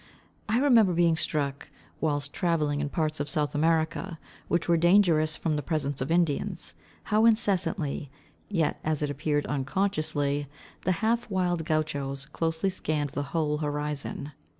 I remember being struck, whilst travelling in parts of South America, which were dangerous from the presence of Indians, how incessantly, yet as it appeared unconsciously, the half wild Gauchos closely scanned the whole horizon.